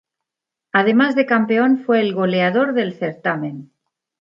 Además de campeón fue el goleador del certamen.